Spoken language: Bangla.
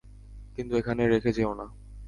কিন্তু এখানে রেখে যেও না।